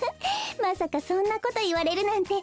まさかそんなこといわれるなんて